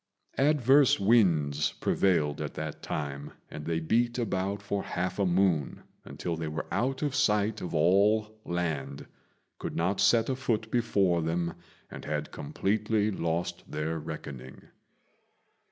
Adverse winds prevailed at that time, and they beat about for half a moon, until they were out of sight of all land, could not see a foot before them, and had completely lost their reckoning.